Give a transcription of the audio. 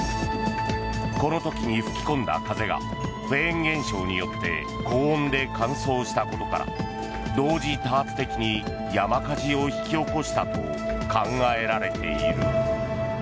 この時に吹き込んだ風がフェーン現象によって高温で乾燥したことから同時多発的に山火事を引き起こしたと考えられている。